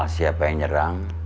soal siapa yang nyerang